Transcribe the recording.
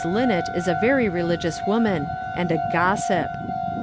Linnett is a very religious woman and a gossip!